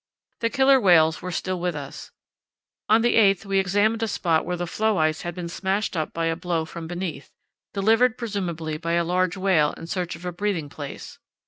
The killer whales were still with us. On the 8th we examined a spot where the floe ice had been smashed up by a blow from beneath, delivered presumably by a large whale in search of a breathing place.